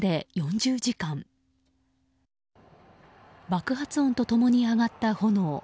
爆発音と共に上がった炎。